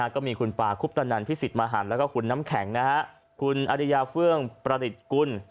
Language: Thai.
ก็มีคุณป่าคุปตนันพิสิทธิมหันแล้วก็คุณน้ำแข็งคุณอริยาเฟื่องประดิษฐ์กุล